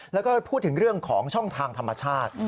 แล้วก็พูดถึงเรื่องของช่องทางธรรมชาติ